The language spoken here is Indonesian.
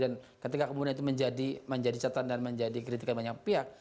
dan ketika kemudian itu menjadi catatan dan menjadi kritikan banyak pihak